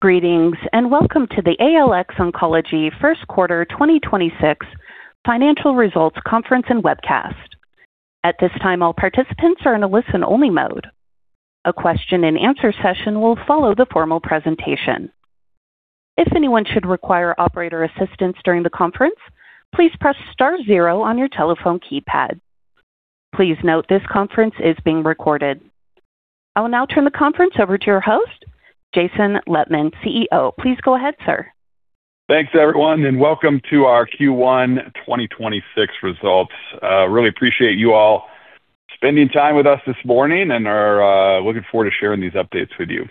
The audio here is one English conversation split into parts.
Greetings, and welcome to the ALX Oncology first quarter 2026 financial results conference and webcast. At this time, all participants are in a listen-only mode. A question and answer session will follow the formal presentation. If anyone should require operator assistance during the conference, please press star zero on your telephone keypad. Please note this conference is being recorded. I will now turn the conference over to your host, Jason Lettmann, CEO. Please go ahead, sir. Thanks, everyone, and welcome to our Q1 2026 results. Really appreciate you all spending time with us this morning and are looking forward to sharing these updates with you.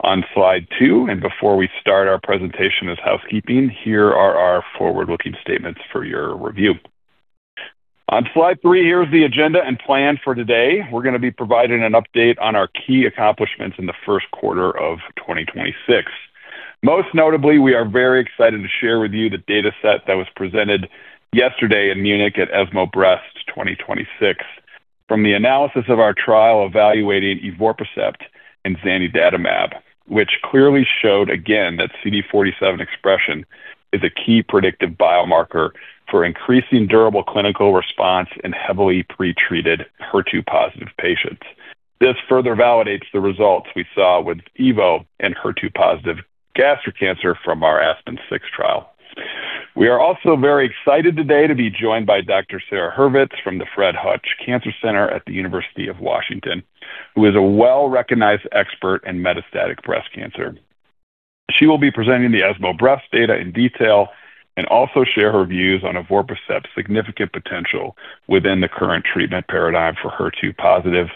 On slide two, and before we start our presentation as housekeeping, here are our forward-looking statements for your review. On slide three, here's the agenda and plan for today. We're gonna be providing an update on our key accomplishments in the first quarter of 2026. Most notably, we are very excited to share with you the dataset that was presented yesterday in Munich at ESMO Breast Cancer 2026 from the analysis of our trial evaluating evorpacept and zanidatamab, which clearly showed again that CD47 expression is a key predictive biomarker for increasing durable clinical response in heavily pre-treated HER2-positive patients. This further validates the results we saw with evo and HER2-positive gastric cancer from our ASPEN-06 trial. We are also very excited today to be joined by Dr. Sara Hurvitz from the Fred Hutch Cancer Center at the University of Washington, who is a well-recognized expert in metastatic breast cancer. She will be presenting the ESMO Breast Cancer data in detail and also share her views on evorpacept's significant potential within the current treatment paradigm for HER2-positive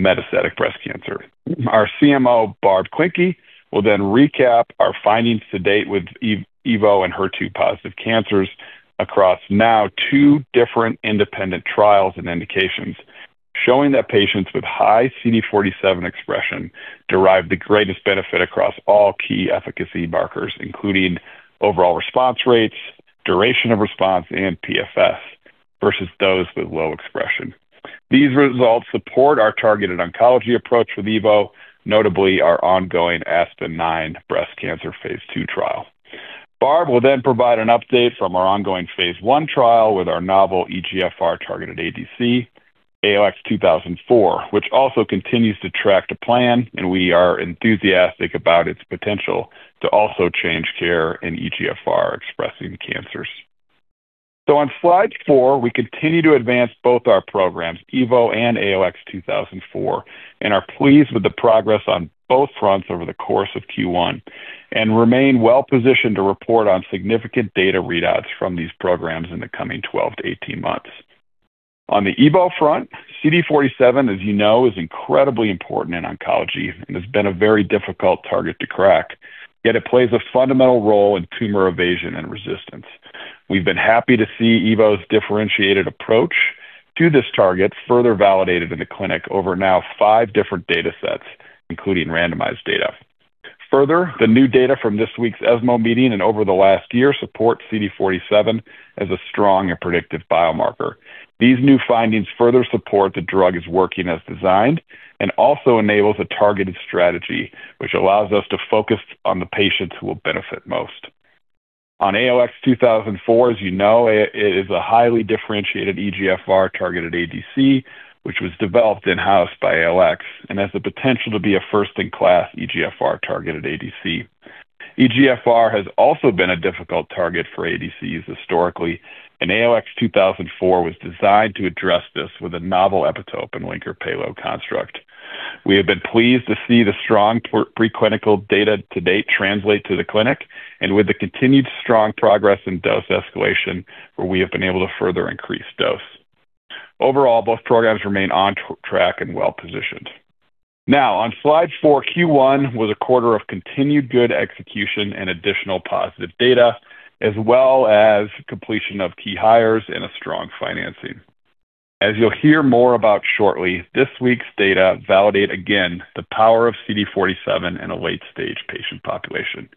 metastatic breast cancer. Our CMO, Barbara Klencke, will recap our findings to date with evo and HER2-positive cancers across now two different independent trials and indications, showing that patients with high CD47 expression derive the greatest benefit across all key efficacy markers, including overall response rates, duration of response, and PFS versus those with low expression. These results support our targeted oncology approach with evo, notably our ongoing ASPEN-09 breast cancer phase II trial. Barb will then provide an update from our ongoing phase I trial with our novel EGFR-targeted ADC, ALX2004, which also continues to track to plan. We are enthusiastic about its potential to also change care in EGFR-expressing cancers. On slide four, we continue to advance both our programs, evo and ALX2004, and are pleased with the progress on both fronts over the course of Q1 and remain well-positioned to report on significant data readouts from these programs in the coming 12-18 months. On the evo front, CD47, as you know, is incredibly important in oncology and has been a very difficult target to crack, yet it plays a fundamental role in tumor evasion and resistance. We've been happy to see evo's differentiated approach to this target further validated in the clinic over now 5 different datasets, including randomized data. The new data from this week's ESMO meeting and over the last year support CD47 as a strong and predictive biomarker. These new findings further support the drug is working as designed and also enables a targeted strategy which allows us to focus on the patients who will benefit most. On ALX2004, as you know, it is a highly differentiated EGFR-targeted ADC, which was developed in-house by ALX and has the potential to be a first-in-class EGFR-targeted ADC. EGFR has also been a difficult target for ADCs historically, and ALX2004 was designed to address this with a novel epitope and linker payload construct. We have been pleased to see the strong pre-clinical data to date translate to the clinic and with the continued strong progress in dose escalation, where we have been able to further increase dose. Overall, both programs remain on track and well-positioned. Now, on slide four, Q1 was a quarter of continued good execution and additional positive data as well as completion of key hires and a strong financing. As you'll hear more about shortly, this week's data validate again the power of CD47 in a late-stage patient population.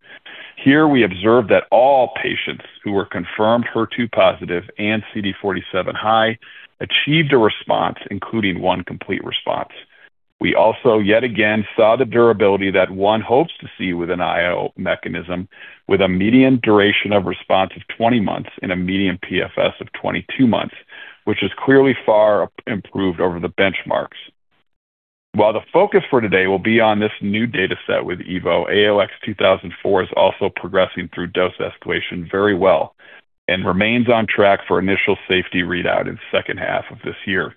Here we observed that all patients who were confirmed HER2-positive and CD47 high achieved a response, including one complete response. We also yet again saw the durability that one hopes to see with an IO mechanism, with a median duration of response of 20 months and a median PFS of 22 months, which is clearly far improved over the benchmarks. While the focus for today will be on this new dataset with evo, ALX2004 is also progressing through dose escalation very well and remains on track for initial safety readout in 2nd half of this year.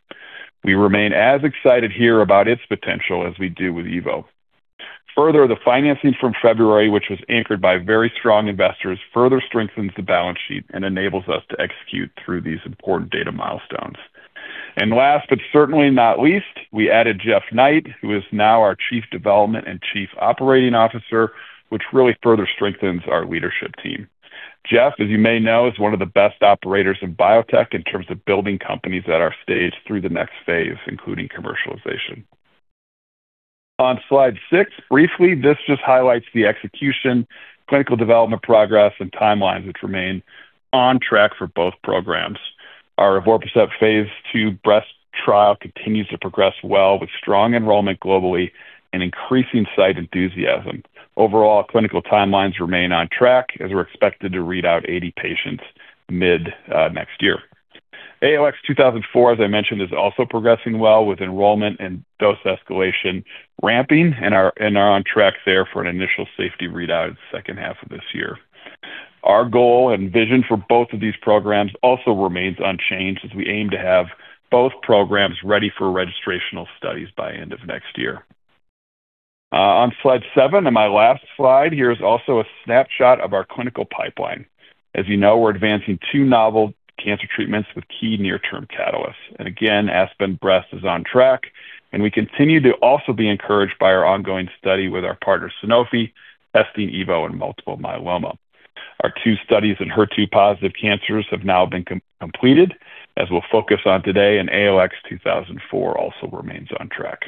We remain as excited here about its potential as we do with evo. Further, the financing from February, which was anchored by very strong investors, further strengthens the balance sheet and enables us to execute through these important data milestones. Last but certainly not least, we added Jeff Knight, who is now our Chief Development and Chief Operating Officer, which really further strengthens our leadership team. Jeff, as you may know, is one of the best operators in biotech in terms of building companies that are staged through the next phase, including commercialization. On slide six, briefly, this just highlights the execution, clinical development progress, and timelines which remain on track for both programs. Our evorpacept Phase II breast trial continues to progress well with strong enrollment globally and increasing site enthusiasm. Overall, clinical timelines remain on track as we're expected to read out 80 patients mid next year. ALX2004, as I mentioned, is also progressing well with enrollment and dose escalation ramping and are on track there for an initial safety readout second half of this year. Our goal and vision for both of these programs also remains unchanged as we aim to have both programs ready for registrational studies by end of next year. On slide seven and my last slide, here is also a snapshot of our clinical pipeline. As you know, we're advancing two novel cancer treatments with key near-term catalysts. Again, ASPEN-09 is on track, and we continue to also be encouraged by our ongoing study with our partner Sanofi, testing evo in multiple myeloma. Our two studies in HER2-positive cancers have now been completed, as we'll focus on today, and ALX2004 also remains on track.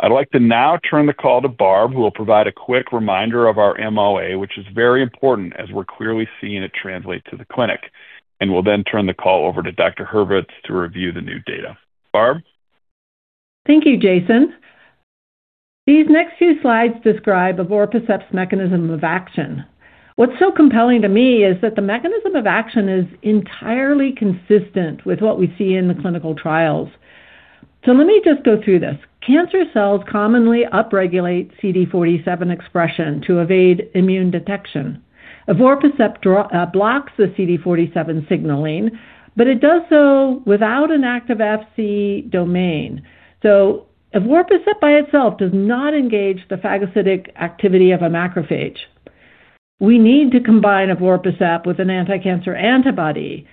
I'd like to now turn the call to Barb, who will provide a quick reminder of our MOA, which is very important as we're clearly seeing it translate to the clinic. We'll then turn the call over to Dr. Hurvitz to review the new data. Barb? Thank you, Jason. These next few slides describe evorpacept's mechanism of action. What's so compelling to me is that the mechanism of action is entirely consistent with what we see in the clinical trials. Let me just go through this. Cancer cells commonly upregulate CD47 expression to evade immune detection. Evorpacept blocks the CD47 signaling, but it does so without an active Fc domain. Evorpacept by itself does not engage the phagocytic activity of a macrophage. We need to combine evorpacept with an anticancer antibody,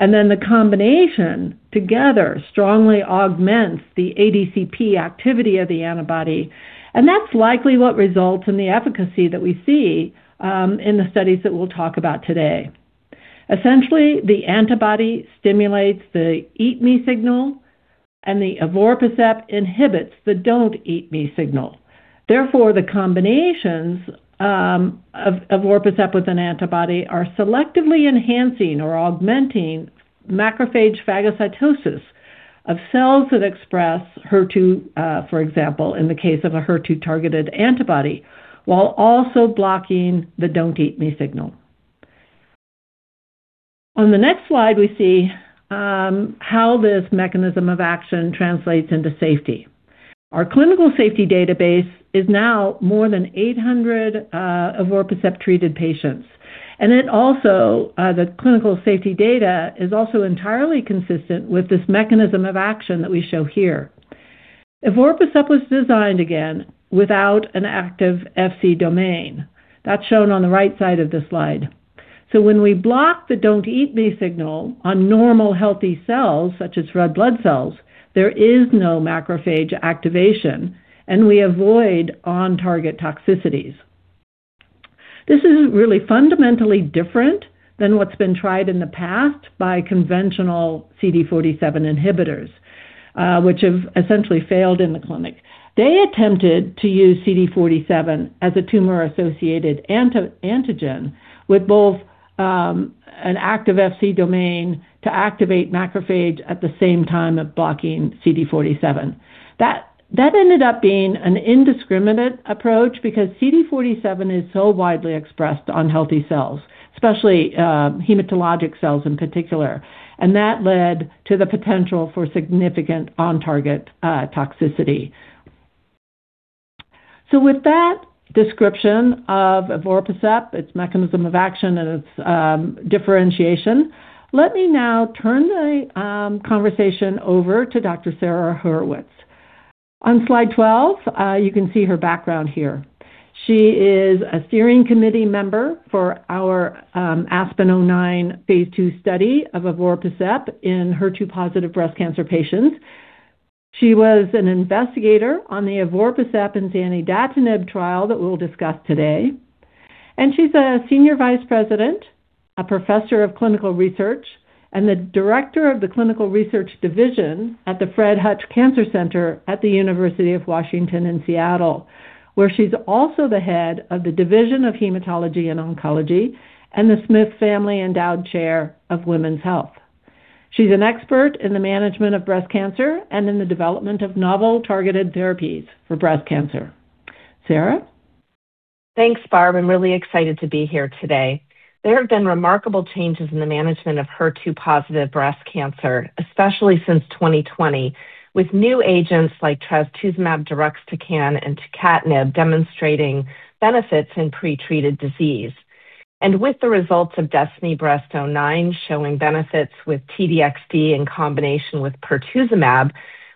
and then the combination together strongly augments the ADCP activity of the antibody, and that's likely what results in the efficacy that we see in the studies that we'll talk about today. Essentially, the antibody stimulates the eat me signal and the evorpacept inhibits the don't eat me signal. Therefore, the combinations of evorpacept with an antibody are selectively enhancing or augmenting macrophage phagocytosis of cells that express HER2, for example, in the case of a HER2-targeted antibody, while also blocking the don't eat me signal. On the next slide, we see how this mechanism of action translates into safety. Our clinical safety database is now more than 800 evorpacept-treated patients. It also, the clinical safety data is also entirely consistent with this mechanism of action that we show here. Evorpacept was designed again without an active Fc domain. That's shown on the right side of this slide. When we block the don't eat me signal on normal healthy cells such as red blood cells, there is no macrophage activation, and we avoid on-target toxicities. This is really fundamentally different than what's been tried in the past by conventional CD47 inhibitors, which have essentially failed in the clinic. They attempted to use CD47 as a tumor-associated antigen with both an active Fc domain to activate macrophage at the same time of blocking CD47. That ended up being an indiscriminate approach because CD47 is so widely expressed on healthy cells, especially hematologic cells in particular, and that led to the potential for significant on-target toxicity. With that description of evorpacept, its mechanism of action, and its differentiation, let me now turn the conversation over to Dr. Sara Hurvitz. On slide 12, you can see her background here. She is a steering committee member for our ASPEN-09 phase II study of evorpacept in HER2-positive breast cancer patients. She was an investigator on the evorpacept and zanidatamab trial that we'll discuss today. She's a senior vice president, a professor of clinical research, and the director of the Clinical Research Division at the Fred Hutch Cancer Center at the University of Washington in Seattle, where she's also the head of the Division of Hematology and Oncology and the Smith Family Endowed Chair of Women's Health. She's an expert in the management of breast cancer and in the development of novel targeted therapies for breast cancer. Sara? Thanks, Barb. I'm really excited to be here today. There have been remarkable changes in the management of HER2-positive breast cancer, especially since 2020, with new agents like trastuzumab deruxtecan and tucatinib demonstrating benefits in pretreated disease. With the results of DESTINY-Breast09 showing benefits with T-DXd in combination with pertuzumab,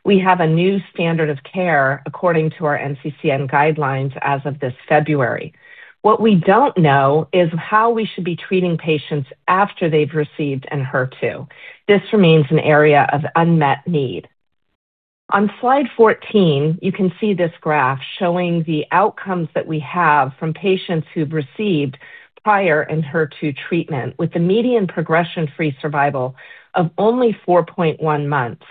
we have a new standard of care according to our NCCN guidelines as of this February. What we don't know is how we should be treating patients after they've received ENHERTU. This remains an area of unmet need. On slide 14, you can see this graph showing the outcomes that we have from patients who've received prior ENHERTU treatment with the median progression-free survival of only 4.1 months.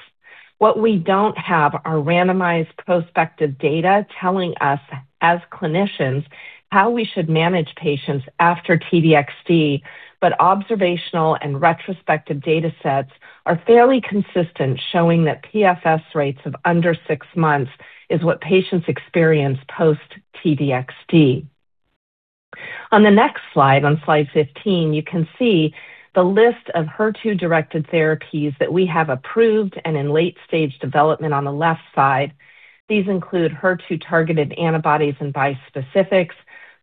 What we don't have are randomized prospective data telling us as clinicians how we should manage patients after T-DXd, but observational and retrospective datasets are fairly consistent, showing that PFS rates of under six months is what patients experience post-T-DXd. On the next slide, on slide 15, you can see the list of HER2-directed therapies that we have approved and in late-stage development on the left side. These include HER2-targeted antibodies and bispecifics,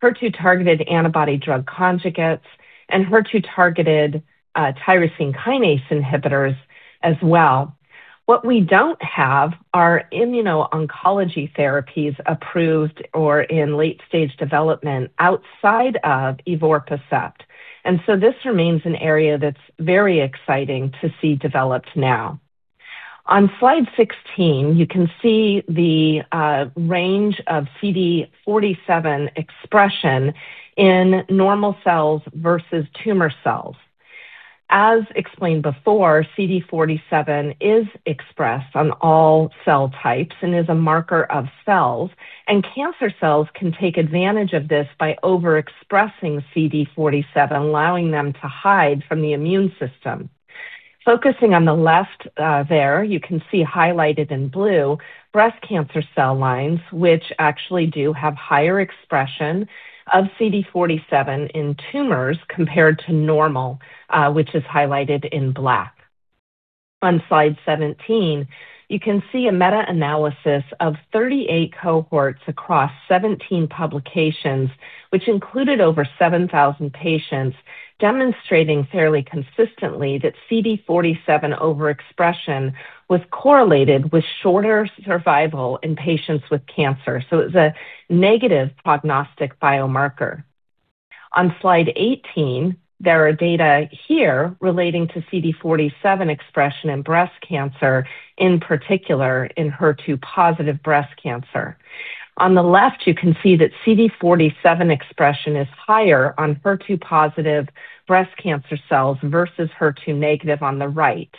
HER2-targeted antibody-drug conjugates, and HER2-targeted tyrosine kinase inhibitors as well. What we don't have are immuno-oncology therapies approved or in late-stage development outside of evorpacept. This remains an area that's very exciting to see developed now. On slide 16, you can see the range of CD47 expression in normal cells versus tumor cells. As explained before, CD47 is expressed on all cell types and is a marker of cells, and cancer cells can take advantage of this by overexpressing CD47, allowing them to hide from the immune system. Focusing on the left, there, you can see highlighted in blue breast cancer cell lines, which actually do have higher expression of CD47 in tumors compared to normal, which is highlighted in black. On slide 17, you can see a meta-analysis of 38 cohorts across 17 publications, which included over 7,000 patients, demonstrating fairly consistently that CD47 overexpression was correlated with shorter survival in patients with cancer. It's a negative prognostic biomarker. On slide 18, there are data here relating to CD47 expression in breast cancer, in particular in HER2-positive breast cancer. On the left, you can see that CD47 expression is higher on HER2-positive breast cancer cells versus HER2-negative on the right.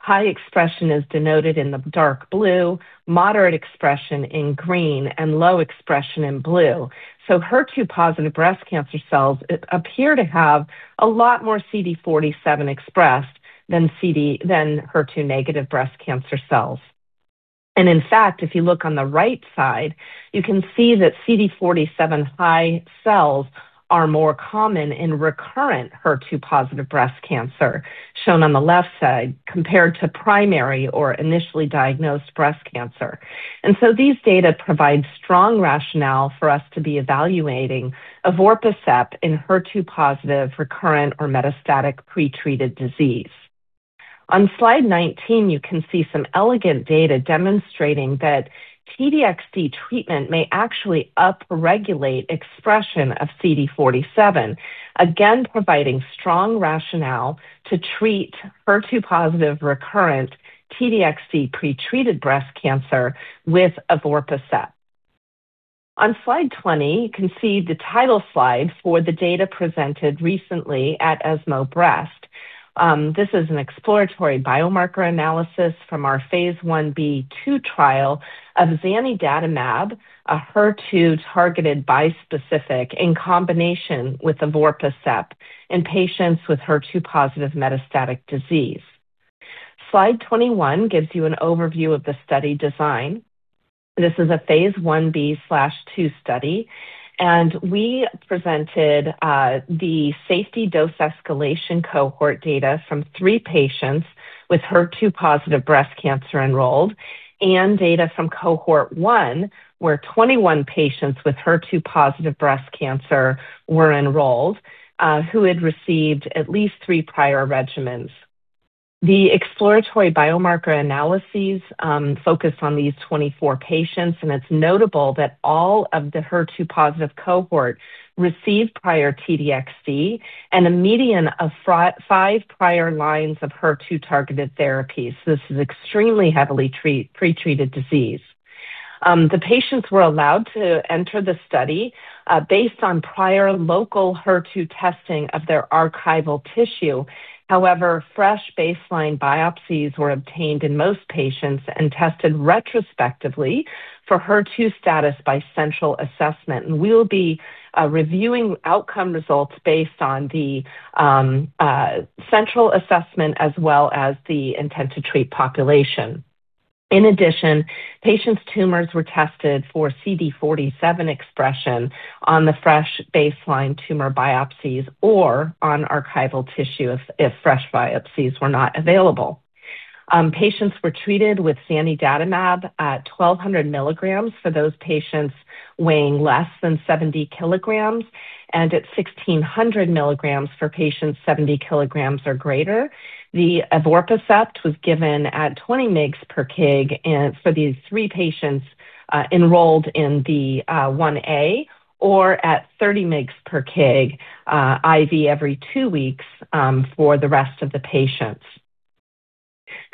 High expression is denoted in the dark blue, moderate expression in green, and low expression in blue. HER2-positive breast cancer cells appear to have a lot more CD47 expressed than HER2-negative breast cancer cells. In fact, if you look on the right side, you can see that CD47 high cells are more common in recurrent HER2-positive breast cancer, shown on the left side, compared to primary or initially diagnosed breast cancer. These data provide strong rationale for us to be evaluating evorpacept in HER2-positive recurrent or metastatic pretreated disease. On slide 19, you can see some elegant data demonstrating that T-DXd treatment may actually upregulate expression of CD47, again providing strong rationale to treat HER2-positive recurrent T-DXd pretreated breast cancer with evorpacept. On slide 20, you can see the title slide for the data presented recently at ESMO Breast. This is an exploratory biomarker analysis from our phase I-B/II trial of zanidatamab, a HER2-targeted bispecific in combination with evorpacept in patients with HER2-positive metastatic disease. Slide 21 gives you an overview of the study design. This is a phase I-B/II study, and we presented the safety dose escalation cohort data from three patients with HER2-positive breast cancer enrolled and data from cohort one, where 21 patients with HER2-positive breast cancer were enrolled, who had received at least three prior regimens. The exploratory biomarker analyses focus on these 24 patients, and it's notable that all of the HER2-positive cohort received prior T-DXd and a median of five prior lines of HER2-targeted therapies. This is extremely heavily pretreated disease. The patients were allowed to enter the study based on prior local HER2 testing of their archival tissue. However, fresh baseline biopsies were obtained in most patients and tested retrospectively for HER2 status by central assessment. We'll be reviewing outcome results based on the central assessment as well as the intent to treat population. In addition, patients' tumors were tested for CD47 expression on the fresh baseline tumor biopsies or on archival tissue if fresh biopsies were not available. Patients were treated with zanidatamab at 1,200 mg for those patients weighing less than 70 kg and at 1,600 mg for patients 70 kg or greater. The evorpacept was given at 20 mg per kg for these three patients enrolled in the phase I-A or at 30 mg per kg IV every two weeks for the rest of the patients.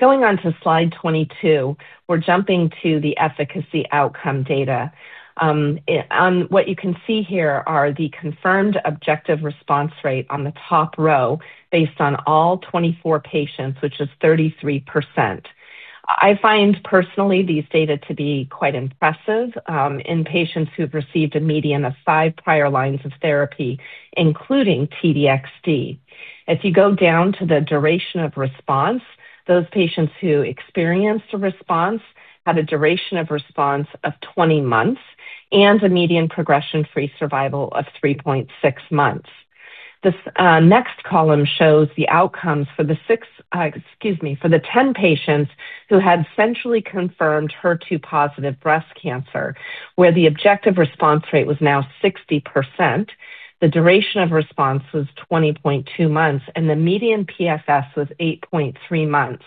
Going on to slide 22, we're jumping to the efficacy outcome data. What you can see here are the confirmed objective response rate on the top row based on all 24 patients, which is 33%. I find personally these data to be quite impressive in patients who've received a median of five prior lines of therapy, including T-DXd. As you go down to the duration of response, those patients who experienced a response had a duration of response of 20 months and a median progression-free survival of 3.6 months. This next column shows the outcomes for the six, excuse me, for the 10 patients who had centrally confirmed HER2-positive breast cancer, where the objective response rate was now 60%. The duration of response was 20.2 months, and the median PFS was 8.3 months.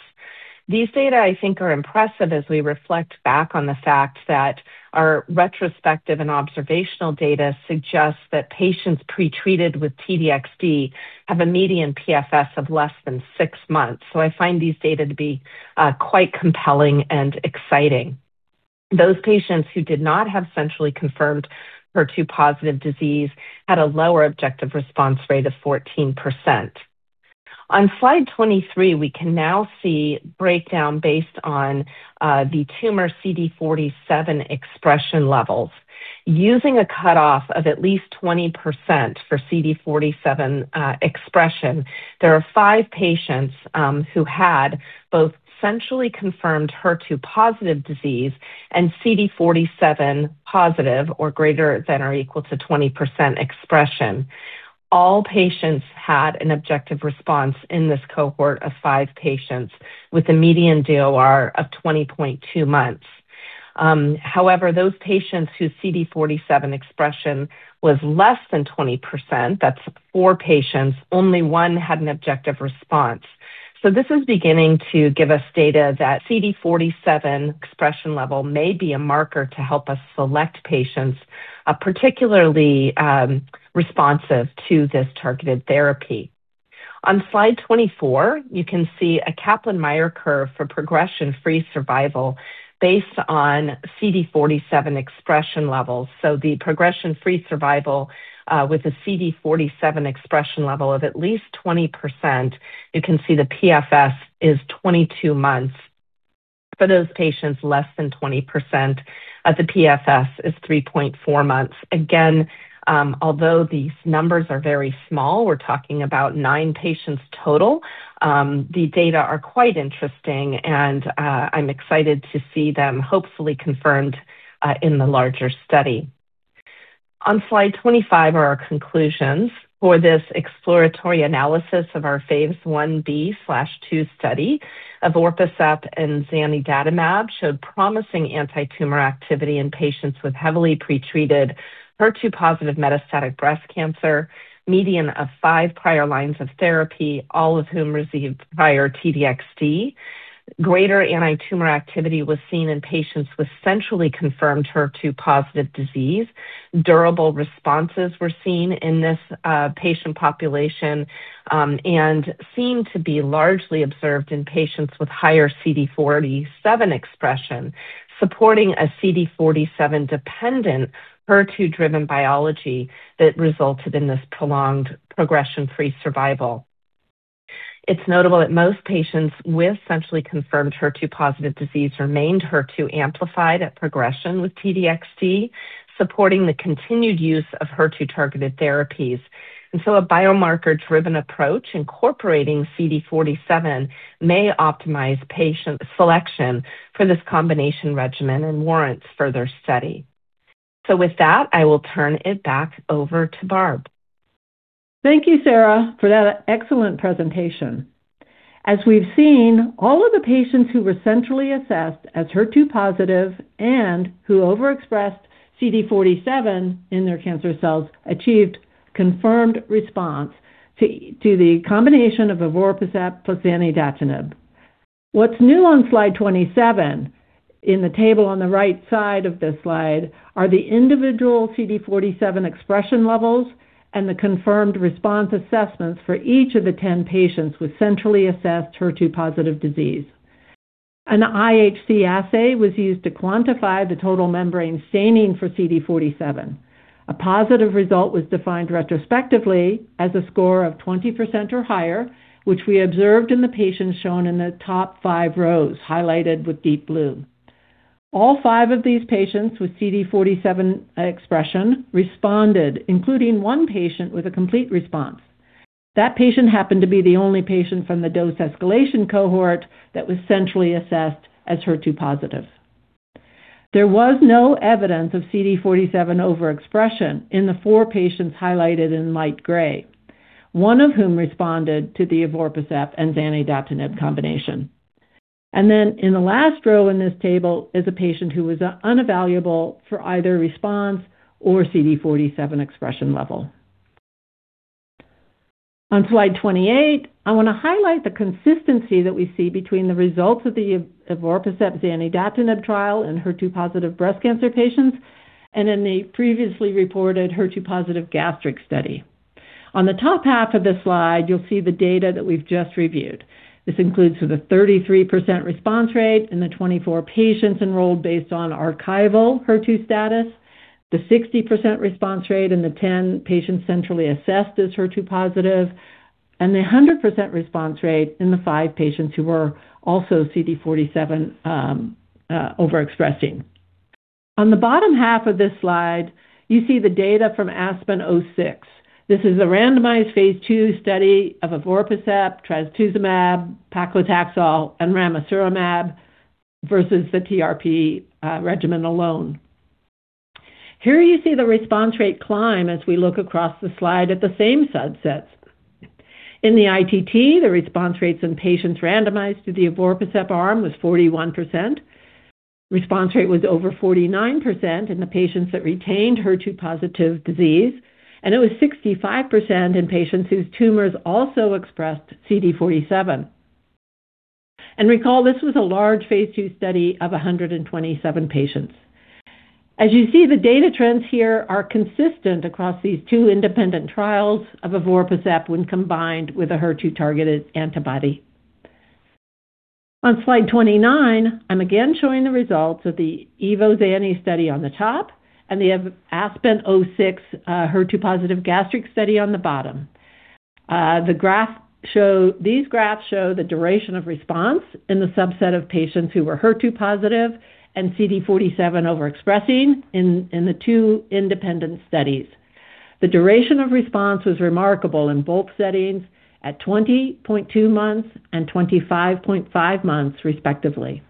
These data I think are impressive as we reflect back on the fact that our retrospective and observational data suggests that patients pre-treated with T-DXd have a median PFS of less than six months. I find these data to be quite compelling and exciting. Those patients who did not have centrally confirmed HER2-positive disease had a lower objective response rate of 14%. On slide 23, we can now see breakdown based on the tumor CD47 expression levels. Using a cutoff of at least 20% for CD47 expression, there are five patients who had both centrally confirmed HER2-positive disease and CD47-positive or greater than or equal to 20% expression. All patients had an objective response in this cohort of five patients with a median DOR of 20.2 months. However, those patients whose CD47 expression was less than 20%, that's four patients, only one had an objective response. This is beginning to give us data that CD47 expression level may be a marker to help us select patients, particularly responsive to this targeted therapy. On slide 24, you can see a Kaplan-Meier curve for progression-free survival based on CD47 expression levels. The progression-free survival, with a CD47 expression level of at least 20%, you can see the PFS is 22 months. For those patients less than 20%, the PFS is 3.4 months. Again, although these numbers are very small, we're talking about nine patients total, the data are quite interesting and I'm excited to see them hopefully confirmed in the larger study. On slide 25 are our conclusions for this exploratory analysis of our phase I-B/II study. Evorpacept and zanidatamab showed promising antitumor activity in patients with heavily pre-treated HER2-positive metastatic breast cancer, median of five prior lines of therapy, all of whom received prior T-DXd. Greater antitumor activity was seen in patients with centrally confirmed HER2-positive disease. Durable responses were seen in this patient population and seemed to be largely observed in patients with higher CD47 expression, supporting a CD47-dependent, HER2-driven biology that resulted in this prolonged progression-free survival. It's notable that most patients with centrally confirmed HER2-positive disease remained HER2 amplified at progression with T-DXd, supporting the continued use of HER2-targeted therapies. A biomarker-driven approach incorporating CD47 may optimize patient selection for this combination regimen and warrants further study. With that, I will turn it back over to Barb. Thank you, Sara, for that excellent presentation. As we've seen, all of the patients who were centrally assessed as HER2-positive and who overexpressed CD47 in their cancer cells achieved confirmed response to the combination of evorpacept plus zanidatamab. What's new on slide 27 in the table on the right side of this slide are the individual CD47 expression levels and the confirmed response assessments for each of the 10 patients with centrally assessed HER2-positive disease. An IHC assay was used to quantify the total membrane staining for CD47. A positive result was defined retrospectively as a score of 20% or higher, which we observed in the patients shown in the top five rows highlighted with deep blue. All five of these patients with CD47 expression responded, including one patient with a complete response. That patient happened to be the only patient from the dose escalation cohort that was centrally assessed as HER2-positive. There was no evidence of CD47 overexpression in the four patients highlighted in light gray, one of whom responded to the evorpacept and zanidatamab combination. In the last row in this table is a patient who was unevaluable for either response or CD47 expression level. On slide 28, I wanna highlight the consistency that we see between the results of the evorpacept-zanidatamab trial in HER2-positive breast cancer patients and in the previously reported HER2-positive gastric study. On the top half of this slide, you'll see the data that we've just reviewed. This includes for the 33% response rate in the 24 patients enrolled based on archival HER2 status, the 60% response rate in the 10 patients centrally assessed as HER2-positive. The 100% response rate in the five patients who were also CD47 overexpressing. On the bottom half of this slide, you see the data from ASPEN-06. This is a randomized phase II study of evorpacept, trastuzumab, paclitaxel, and ramucirumab versus the TRP regimen alone. Here you see the response rate climb as we look across the slide at the same subsets. In the ITT, the response rates in patients randomized to the evorpacept arm was 41%. Response rate was over 49% in the patients that retained HER2-positive disease, and it was 65% in patients whose tumors also expressed CD47. Recall, this was a large Phase II study of 127 patients. As you see, the data trends here are consistent across these two independent trials of evorpacept when combined with a HER2-targeted antibody. On slide 29, I'm again showing the results of the evo-zani study on the top and the ASPEN-06 HER2-positive gastric study on the bottom. These graphs show the duration of response in the subset of patients who were HER2-positive and CD47 overexpressing in the two independent studies. The duration of response was remarkable in both settings at 20.2 months and 25.5 months respectively.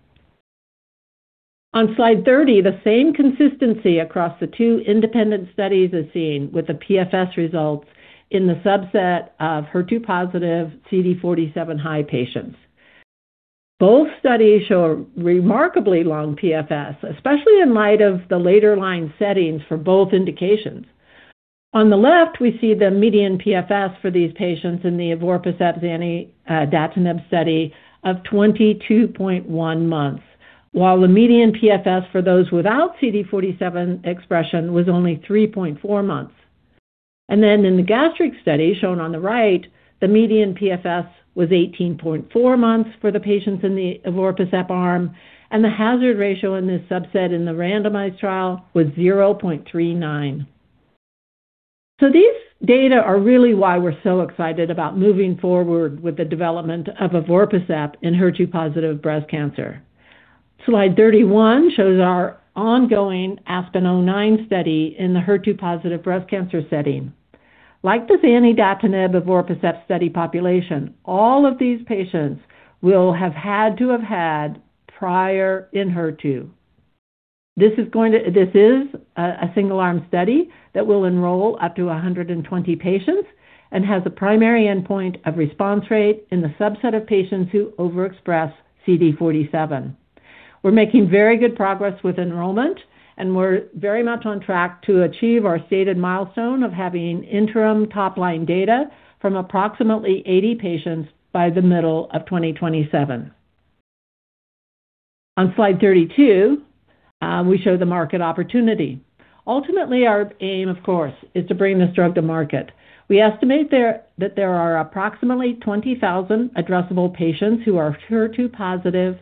On slide 30, the same consistency across the two independent studies is seen with the PFS results in the subset of HER2-positive CD47 high patients. Both studies show remarkably long PFS, especially in light of the later line settings for both indications. On the left, we see the median PFS for these patients in the evorpacept-zanidatamab study of 22.1 months. While the median PFS for those without CD47 expression was only 3.4 months. In the gastric study shown on the right, the median PFS was 18.4 months for the patients in the evorpacept arm, and the hazard ratio in this subset in the randomized trial was 0.39. These data are really why we're so excited about moving forward with the development of evorpacept in HER2-positive breast cancer. Slide 31 shows our ongoing ASPEN-09 study in the HER2-positive breast cancer setting. Like the zanidatamab-evorpacept study population, all of these patients will have had to have had prior ENHERTU. This is a single-arm study that will enroll up to 120 patients and has a primary endpoint of response rate in the subset of patients who overexpress CD47. We're making very good progress with enrollment, and we're very much on track to achieve our stated milestone of having interim top-line data from approximately 80 patients by the middle of 2027. On slide 32, we show the market opportunity. Ultimately, our aim, of course, is to bring this drug to market. We estimate that there are approximately 20,000 addressable patients who are HER2-positive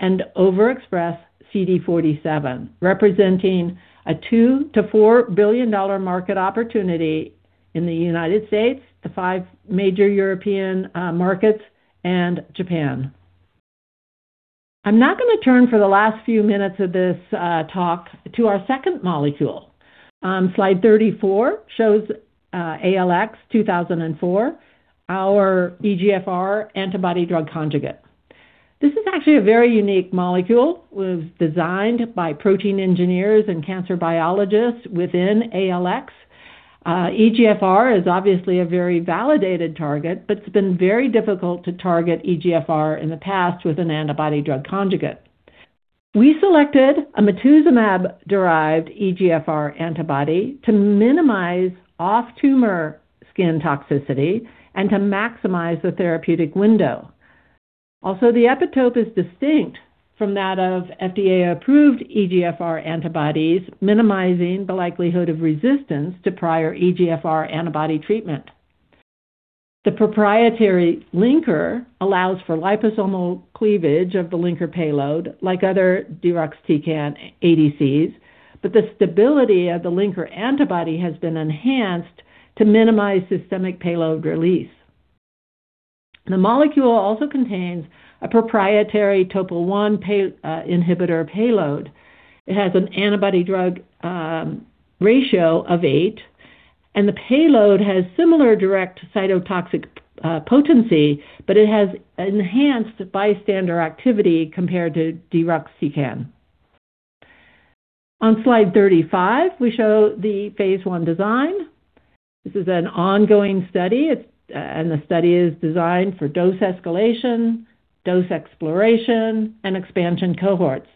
and overexpress CD47, representing a $2 billion-$4 billion market opportunity in the United States, the five major European markets and Japan. I'm now gonna turn for the last few minutes of this talk to our second molecule. Slide 34 shows ALX2004, our EGFR antibody drug conjugate. This is actually a very unique molecule. It was designed by protein engineers and cancer biologists within ALX. EGFR is obviously a very validated target, but it's been very difficult to target EGFR in the past with an antibody drug conjugate. We selected a matuzumab-derived EGFR antibody to minimize off-tumor skin toxicity and to maximize the therapeutic window. Also, the epitope is distinct from that of FDA-approved EGFR antibodies, minimizing the likelihood of resistance to prior EGFR antibody treatment. The proprietary linker allows for liposomal cleavage of the linker payload, like other deruxtecan ADCs, but the stability of the linker antibody has been enhanced to minimize systemic payload release. The molecule also contains a proprietary TOPO1 inhibitor payload. It has an antibody-drug ratio of eight, and the payload has similar direct cytotoxic potency, but it has enhanced bystander activity compared to deruxtecan. On slide 35, we show the phase I design. This is an ongoing study. The study is designed for dose escalation, dose exploration, and expansion cohorts.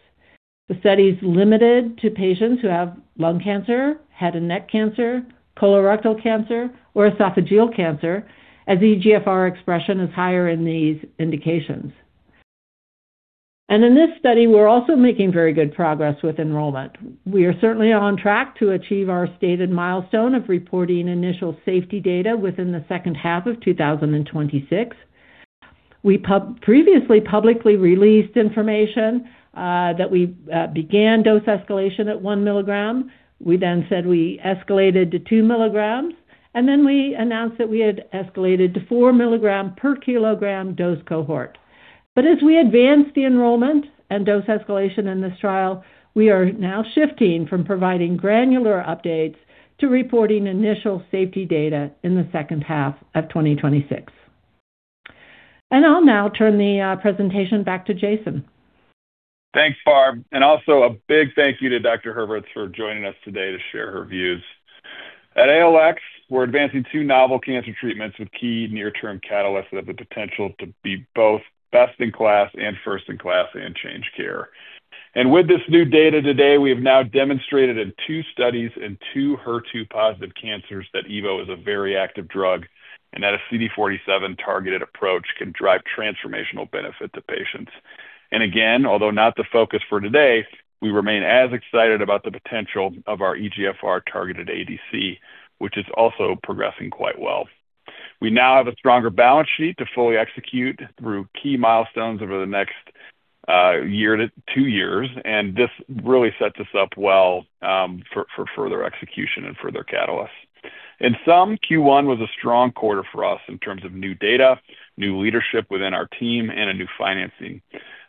The study is limited to patients who have lung cancer, head and neck cancer, colorectal cancer, or esophageal cancer, as EGFR expression is higher in these indications. In this study, we're also making very good progress with enrollment. We are certainly on track to achieve our stated milestone of reporting initial safety data within the second half of 2026. We previously publicly released information that we began dose escalation at 1 mg. We said we escalated to 2 mg, then we announced that we had escalated to 4 mg per kg dose cohort. As we advance the enrollment and dose escalation in this trial, we are now shifting from providing granular updates to reporting initial safety data in the second half of 2026. I'll now turn the presentation back to Jason. Thanks, Barb. Also a big thank you to Dr. Hurvitz for joining us today to share her views. At ALX, we're advancing two novel cancer treatments with key near-term catalysts that have the potential to be both best in class and first in class and change care. With this new data today, we have now demonstrated in two studies in two HER2-positive cancers that evo is a very active drug and that a CD47-targeted approach can drive transformational benefit to patients. Again, although not the focus for today, we remain as excited about the potential of our EGFR-targeted ADC, which is also progressing quite well. We now have a stronger balance sheet to fully execute through key milestones over the next one year to two years, this really sets us up well for further execution and further catalysts. In sum, Q1 was a strong quarter for us in terms of new data, new leadership within our team, and a new financing.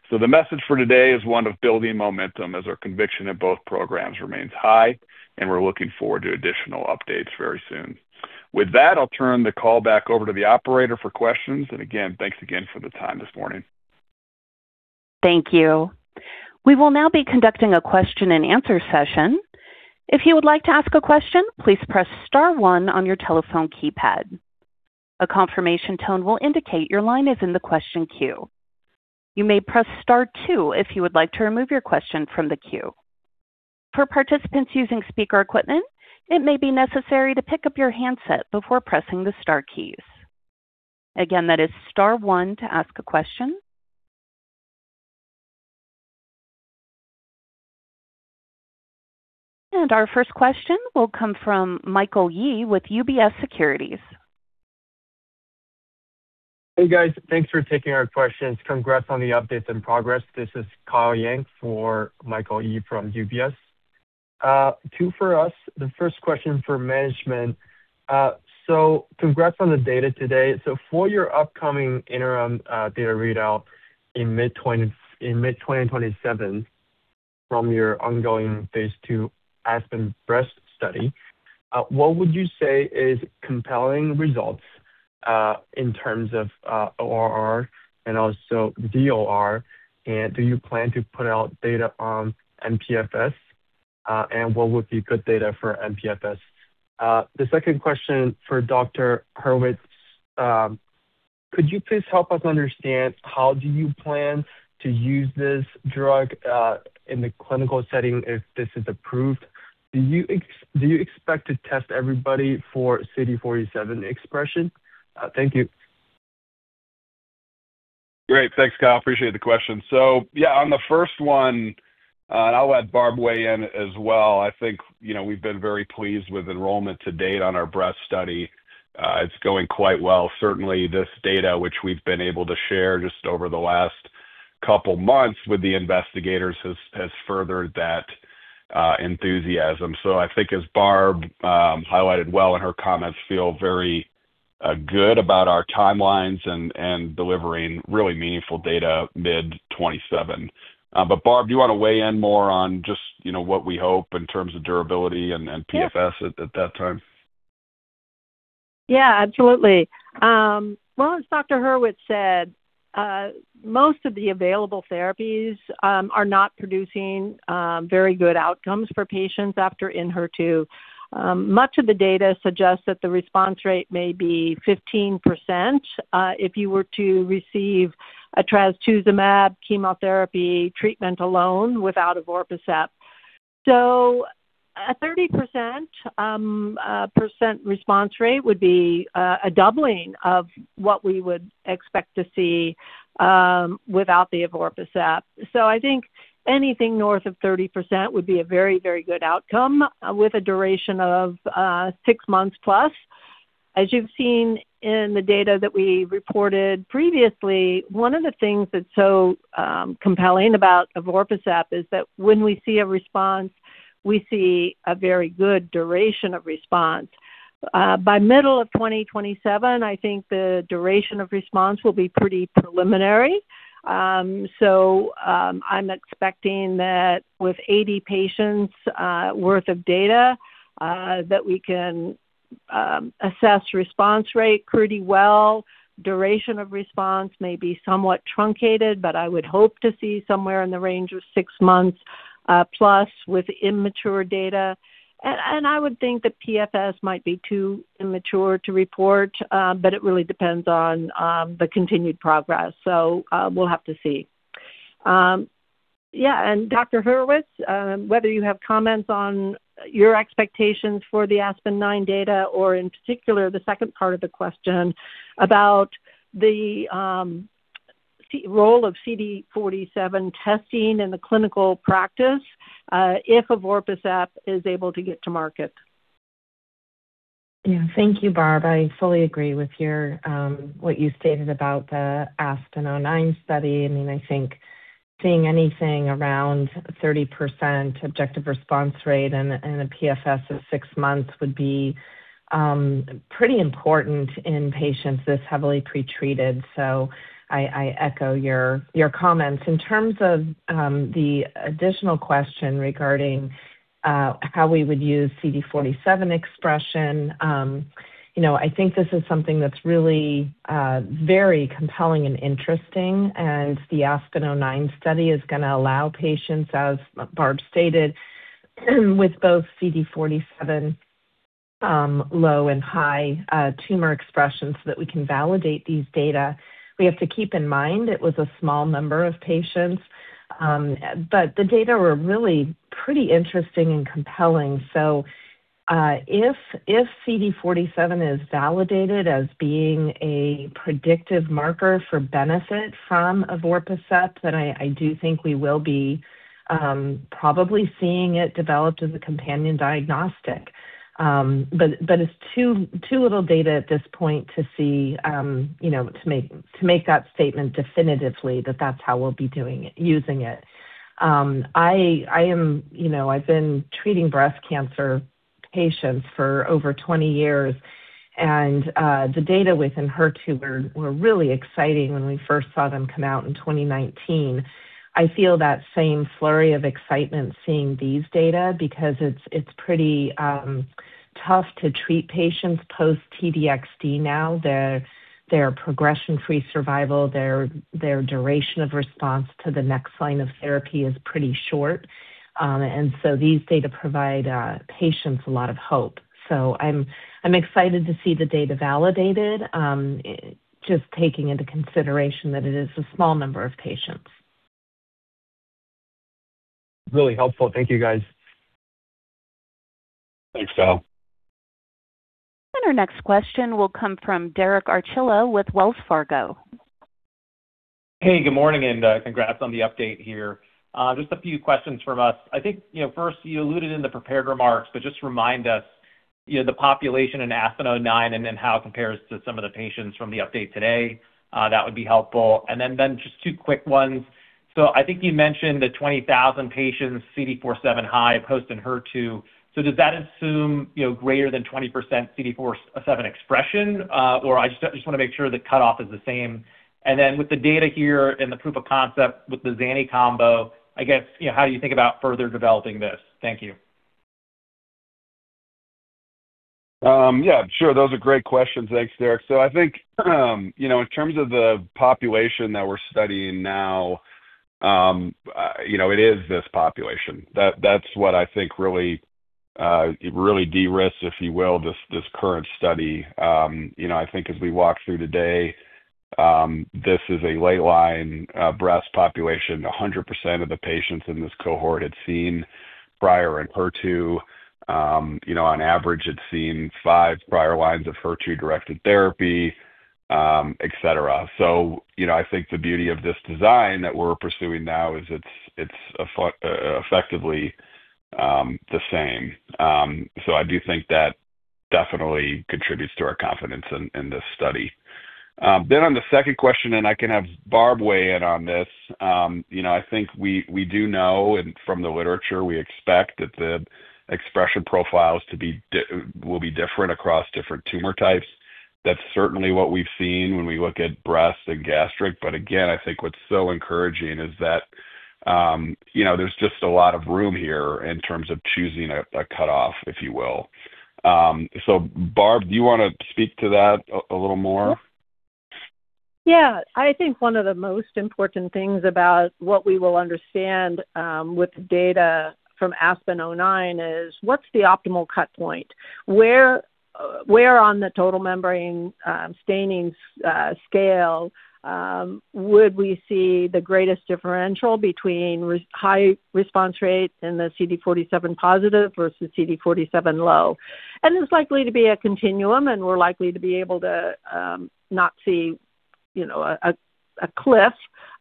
The message for today is one of building momentum as our conviction in both programs remains high, and we're looking forward to additional updates very soon. With that, I'll turn the call back over to the operator for questions. Again, thanks again for the time this morning. Thank you. We will now be conducting a question-and-answer session. If you would like to ask a question, please press star one on your telephone keypad. A confirmation tone will indicate your line is in the question queue. You may press star two if you would like to remove your question from the queue. For participants using speaker equipment, it may be necessary to pick up your handset before pressing the star keys. Again, that is star one to ask a question. Our first question will come from Michael Yee with UBS Securities. Hey, guys. Thanks for taking our questions. Congrats on the updates and progress. This is Kyle Yang for Michael Yee from UBS. Two for us. The first question for management. Congrats on the data today. For your upcoming interim data readout in mid 2027 from your ongoing phase II ASPEN Breast Study, what would you say is compelling results in terms of ORR and also DOR? Do you plan to put out data on mPFS? What would be good data for mPFS? The 2nd question for Dr. Hurvitz. Could you please help us understand how do you plan to use this drug in the clinical setting if this is approved? Do you expect to test everybody for CD47 expression? Thank you. Great. Thanks, Kyle. Appreciate the question. Yeah, on the first one, and I'll let Barb weigh in as well. I think, you know, we've been very pleased with enrollment to date on our breast study. It's going quite well. Certainly, this data, which we've been able to share just over the last couple months with the investigators has furthered that enthusiasm. I think as Barb highlighted well in her comments, feel very good about our timelines and delivering really meaningful data mid-2027. Barb, do you wanna weigh in more on just, you know, what we hope in terms of durability and PFS- Yeah at that time? Yeah, absolutely. Well, as Dr. Hurvitz said, most of the available therapies are not producing very good outcomes for patients after ENHERTU. Much of the data suggests that the response rate may be 15%, if you were to receive a trastuzumab chemotherapy treatment alone without evorpacept. A 30% response rate would be a doubling of what we would expect to see without the evorpacept. I think anything north of 30% would be a very, very good outcome with a duration of six months plus. As you've seen in the data that we reported previously, one of the things that's so compelling about evorpacept is that when we see a response, we see a very good duration of response. By middle of 2027, I think the duration of response will be pretty preliminary. I'm expecting that with 80 patients' worth of data, that we can assess response rate pretty well. Duration of response may be somewhat truncated, but I would hope to see somewhere in the range of six months plus with immature data. I would think that PFS might be too immature to report, but it really depends on the continued progress. We'll have to see. Yeah, Dr. Hurvitz, whether you have comments on your expectations for the ASPEN-09 data, or in particular, the 2nd part of the question about the role of CD47 testing in the clinical practice, if evorpacept is able to get to market. Yeah. Thank you, Barb. I fully agree with your what you stated about the ASPEN-09 study. I mean, I think seeing anything around 30% objective response rate and a PFS of six months would be pretty important in patients this heavily pre-treated. I echo your comments. In terms of the additional question regarding how we would use CD47 expression, you know, I think this is something that's really very compelling and interesting. The ASPEN-09 study is gonna allow patients, as Barb stated, with both CD47 low and high tumor expression so that we can validate these data. We have to keep in mind it was a small number of patients, but the data were really pretty interesting and compelling. If CD47 is validated as being a predictive marker for benefit from evorpacept, I do think we will be probably seeing it developed as a companion diagnostic. But it's too little data at this point to see, you know, to make that statement definitively that that's how we'll be doing it, using it. You know, I've been treating breast cancer patients for over 20 years, the data within HER2 were really exciting when we first saw them come out in 2019. I feel that same flurry of excitement seeing these data because it's pretty tough to treat patients post-T-DXd now. Their progression-free survival, their duration of response to the next line of therapy is pretty short. These data provide patients a lot of hope. I'm excited to see the data validated, just taking into consideration that it is a small number of patients. Really helpful. Thank you, guys. Thanks, Kyle. Our next question will come from Derek Archila with Wells Fargo. Hey, good morning, congrats on the update here. Just a few questions from us. I think, you know, first, you alluded in the prepared remarks, just remind us, you know, the population in ASPEN-09 and then how it compares to some of the patients from the update today. That would be helpful. Then, just two quick ones. I think you mentioned the 20,000 patients CD47-high post in HER2. Does that assume, you know, greater than 20% CD47 expression? I just wanna make sure the cutoff is the same. With the data here and the proof of concept with the ZANI combo, I guess, you know, how do you think about further developing this? Thank you. Yeah, sure. Those are great questions. Thanks, Derek. I think, you know, in terms of the population that we're studying now, you know, it is this population. That's what I think really de-risks, if you will, this current study. You know, I think as we walk through today, this is a late-line breast population. 100% of the patients in this cohort had seen prior ENHERTU. You know, on average, it's seen five prior lines of HER2-directed therapy, et cetera. You know, I think the beauty of this design that we're pursuing now is it's effectively the same. I do think that definitely contributes to our confidence in this study. On the 2nd question, and I can have Barb weigh in on this, you know, I think we do know, and from the literature, we expect that the expression profiles will be different across different tumor types. That's certainly what we've seen when we look at breast and gastric. Again, I think what's so encouraging is that, you know, there's just a lot of room here in terms of choosing a cutoff, if you will. Barb, do you wanna speak to that a little more? Yeah. I think one of the most important things about what we will understand with data from ASPEN-09 is what's the optimal cut point? Where on the total membrane staining scale would we see the greatest differential between high response rates in the CD47 positive versus CD47 low? It's likely to be a continuum, and we're likely to be able to not see, you know, a cliff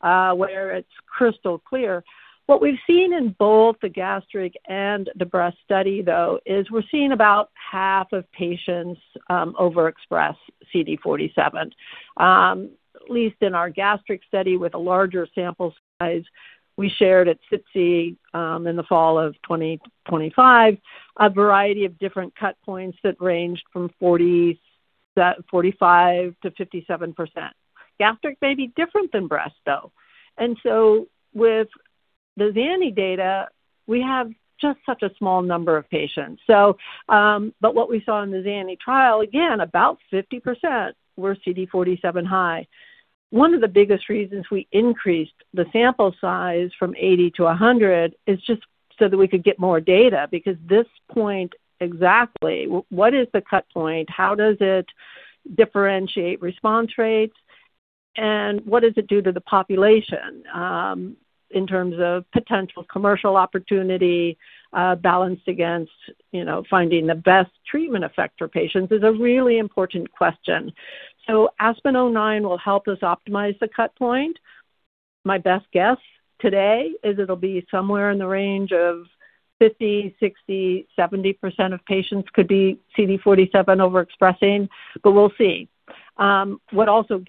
where it's crystal clear. What we've seen in both the gastric and the breast study, though, is we're seeing about half of patients overexpress CD47. At least in our gastric study with a larger sample size, we shared at SITC in the fall of 2025, a variety of different cut points that ranged from 45-57%. Gastric may be different than breast, though. With the ZANI data, we have just such a small number of patients. What we saw in the ZANI trial, again, about 50% were CD47 high. One of the biggest reasons we increased the sample size from 80 to 100 is just so that we could get more data because this point exactly, what is the cut point, how does it differentiate response rates, and what does it do to the population, in terms of potential commercial opportunity, balanced against, you know, finding the best treatment effect for patients is a really important question. ASPEN-09 will help us optimize the cut point. My best guess today is it'll be somewhere in the range of 50%, 60%, 70% of patients could be CD47 overexpressing, but we'll see. What also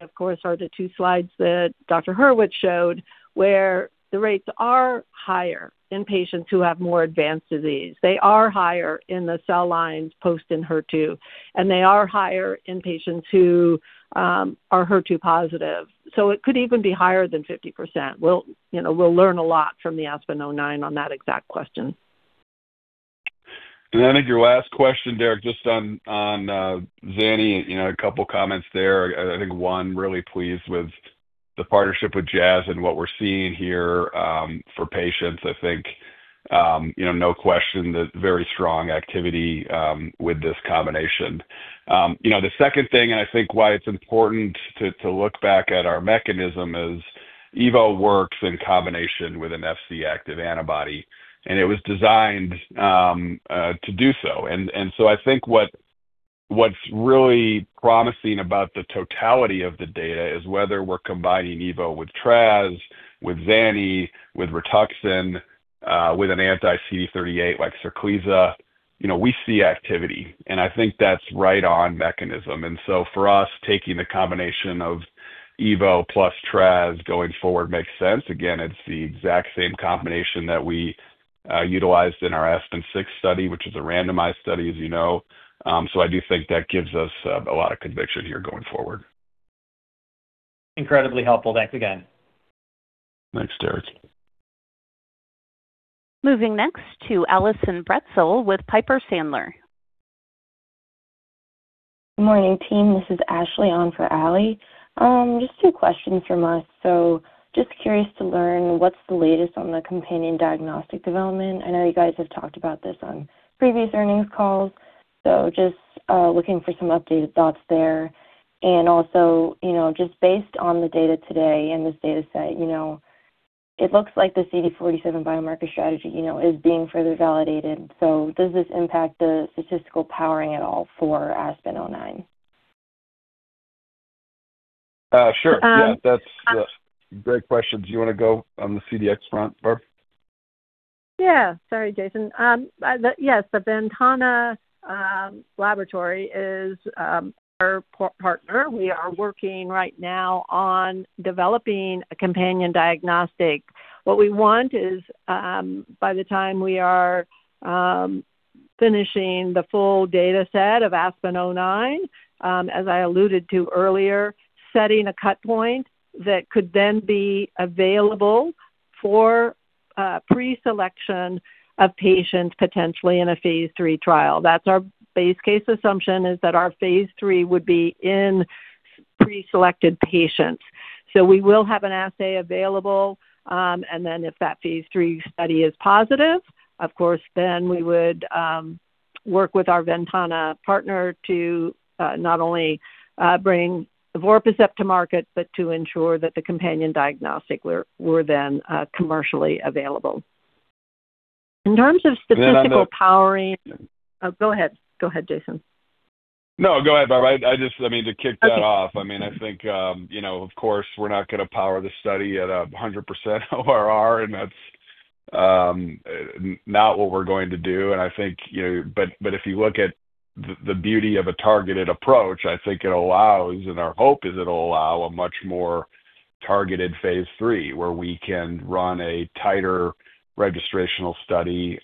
gets, of course, are the two slides that Dr. Hurvitz showed, where the rates are higher in patients who have more advanced disease. They are higher in the cell lines post in HER2, and they are higher in patients who are HER2-positive. It could even be higher than 50%. We'll, you know, we'll learn a lot from the ASPEN-09 on that exact question. I think your last question, Derek, just on zani, you know, a couple comments there. I think one, really pleased with the partnership with Jazz Pharmaceuticals and what we're seeing here, for patients. I think, you know, no question that very strong activity with this combination. You know, the second thing, and I think why it's important to look back at our mechanism is evo works in combination with an Fc active antibody, and it was designed to do so. I think what's really promising about the totality of the data is whether we're combining evo with trast, with zani, with RITUXAN, with an anti-CD38 like SARCLISA. You know, we see activity, and I think that's right on mechanism. For us, taking the combination of evorpacept plus trastuzumab going forward makes sense. Again, it's the exact same combination that we utilized in our ASPEN-06 study, which is a randomized study, as you know. I do think that gives us a lot of conviction here going forward. Incredibly helpful. Thanks again. Thanks, Derek. Moving next to Allison Bratzel with Piper Sandler. Good morning, team. This is Ashley on for Ally. Just two questions from us. Just curious to learn what's the latest on the companion diagnostic development. I know you guys have talked about this on previous earnings calls. Just looking for some updated thoughts there. Also, you know, just based on the data today and this data set, you know, it looks like the CD47 biomarker strategy, you know, is being further validated. Does this impact the statistical powering at all for ASPEN-09? Sure. Um- Yeah. Great question. Do you wanna go on the CDX front, Barb? Sorry, Jason. The Ventana laboratory is our partner. We are working right now on developing a companion diagnostic. What we want is, by the time we are finishing the full data set of ASPEN-09, as I alluded to earlier, setting a cut point that could then be available for pre-selection of patients potentially in a phase III trial. That's our base case assumption, is that our phase III would be in preselected patients. We will have an assay available, and then if that phase III study is positive, then we would work with our Ventana partner to not only bring evorpacept to market, but to ensure that the companion diagnostic were then commercially available. And I know- Statistical powering oh, go ahead. Go ahead, Jason. No, go ahead, Barb. I mean, to kick that off. Okay I mean, I think, of course, we're not gonna power the study at 100% ORR, and that's not what we're going to do. I think if you look at the beauty of a targeted approach, I think it allows, and our hope is it'll allow a much more targeted phase III, where we can run a tighter registrational study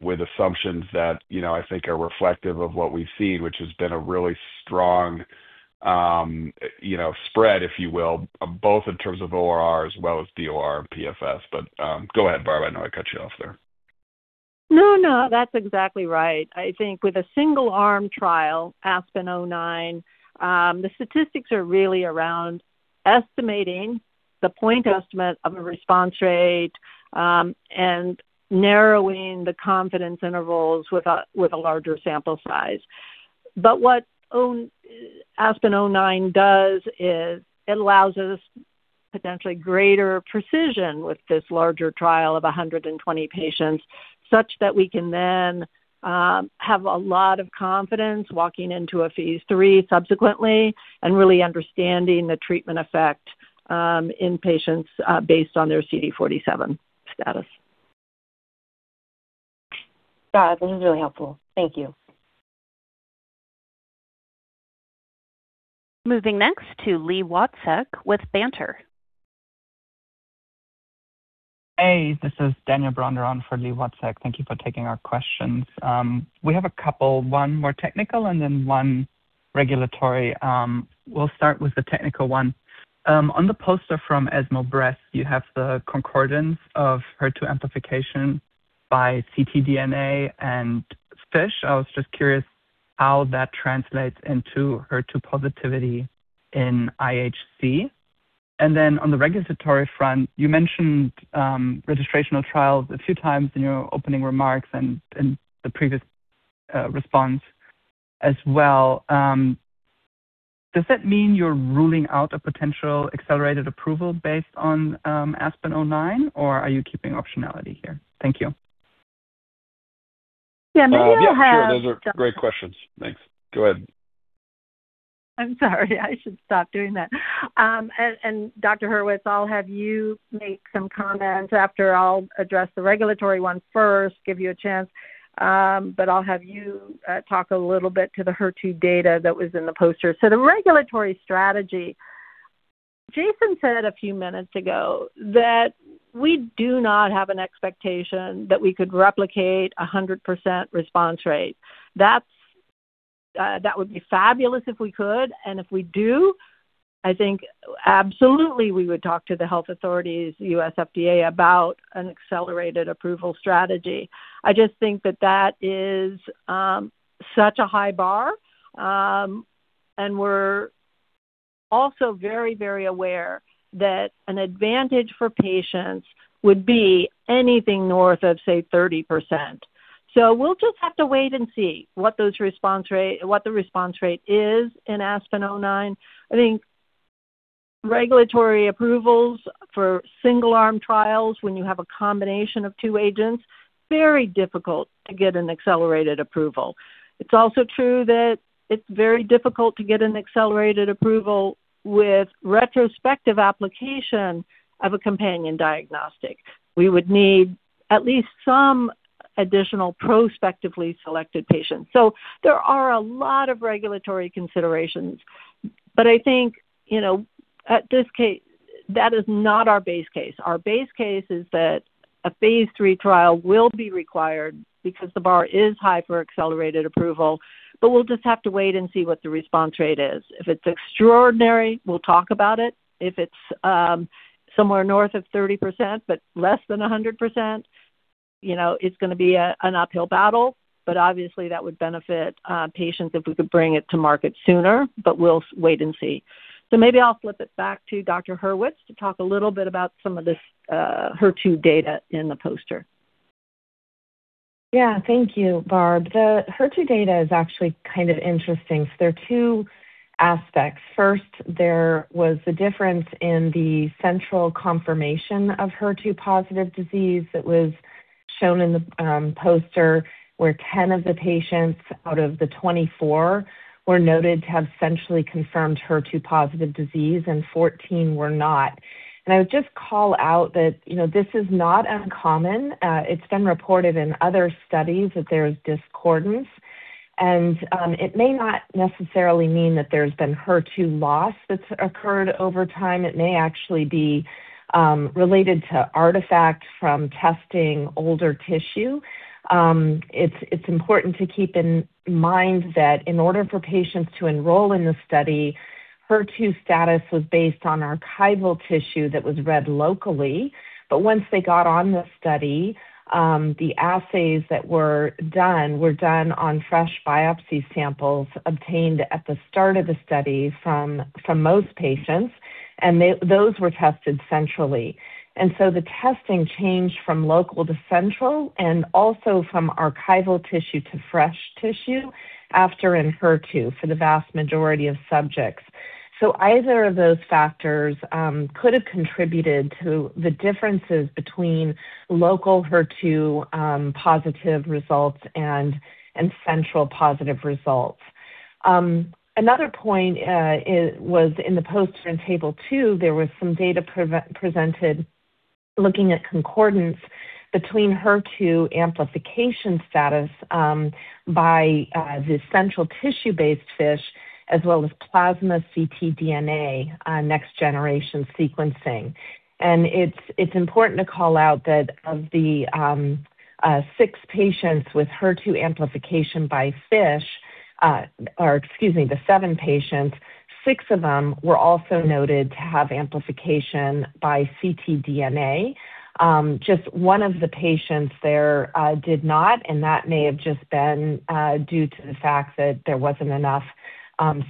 with assumptions that I think are reflective of what we've seen, which has been a really strong spread, if you will, both in terms of ORR as well as DOR and PFS. Go ahead, Barb. I know I cut you off there. No, no. That's exactly right. I think with a single arm trial, ASPEN-09, the statistics are really around estimating the point estimate of a response rate, and narrowing the confidence intervals with a larger sample size. What ASPEN-09 does is it allows us potentially greater precision with this larger trial of 120 patients, such that we can then have a lot of confidence walking into a phase III subsequently, and really understanding the treatment effect in patients based on their CD47 status. Got it. This is really helpful. Thank you. Moving next to Li Watsek with Cantor. Hey, this is Daniel Bronder on for Li Watsek. Thank you for taking our questions. We have a couple, one more technical and then one regulatory. We'll start with the technical one. On the poster from ESMO Breast, you have the concordance of HER2 amplification by ctDNA and FISH. I was just curious how that translates into HER2-positivity in IHC. On the regulatory front, you mentioned registrational trials a few times in your opening remarks and in the previous response as well. Does that mean you're ruling out a potential accelerated approval based on ASPEN-09, or are you keeping optionality here? Thank you. Yeah, sure. Those are great questions. Thanks. Go ahead. I'm sorry. I should stop doing that. Dr. Hurvitz, I'll have you make some comments after I'll address the regulatory one first, give you a chance. I'll have you talk a little bit to the HER2 data that was in the poster. The regulatory strategy, Jason said a few minutes ago that we do not have an expectation that we could replicate a 100% response rate. That would be fabulous if we could, and if we do, I think absolutely we would talk to the health authorities, U.S. FDA, about an accelerated approval strategy. I just think that that is such a high bar, and we're also very, very aware that an advantage for patients would be anything north of, say, 30%. We'll just have to wait and see what the response rate is in ASPEN-09. I think regulatory approvals for single arm trials when you have a combination of two agents, very difficult to get an accelerated approval. It's also true that it's very difficult to get an accelerated approval with retrospective application of a companion diagnostic. We would need at least some additional prospectively selected patients. There are a lot of regulatory considerations. I think, you know, that is not our base case. Our base case is that a phase III trial will be required because the bar is high for accelerated approval, but we'll just have to wait and see what the response rate is. If it's extraordinary, we'll talk about it. If it's, somewhere north of 30% but less than 100%, you know, it's gonna be a, an uphill battle, but obviously that would benefit patients if we could bring it to market sooner. We'll wait and see. Maybe I'll flip it back to Dr. Hurvitz to talk a little bit about some of this HER2 data in the poster. Yeah. Thank you, Barb. The HER2 data is actually kind of interesting. There are two aspects. First, there was the difference in the central confirmation of HER2-positive disease that was shown in the poster, where 10 of the patients out of the 24 were noted to have centrally confirmed HER2-positive disease and 14 were not. I would just call out that, you know, this is not uncommon. It's been reported in other studies that there's discordance. It may not necessarily mean that there's been HER2 loss that's occurred over time. It may actually be related to artifact from testing older tissue. It's important to keep in mind that in order for patients to enroll in the study, HER2 status was based on archival tissue that was read locally. Once they got on the study, the assays that were done were done on fresh biopsy samples obtained at the start of the study from most patients, and those were tested centrally. The testing changed from local to central and also from archival tissue to fresh tissue after ENHERTU for the vast majority of subjects. Either of those factors could have contributed to the differences between local HER- positive results and central positive results. Another point, it was in the poster in table two, there was some data presented looking at concordance between HER2 amplification status by the central tissue-based FISH as well as plasma ctDNA Next-generation sequencing. It's important to call out that of the six patients with HER2 amplification by FISH, or excuse me, the seven patients, six of them were also noted to have amplification by ctDNA. Just one of the patients there did not, and that may have just been due to the fact that there wasn't enough